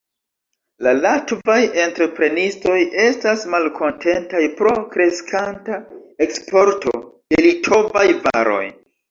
La latvaj entreprenistoj estas malkontentaj pro kreskanta eksporto de litovaj varoj.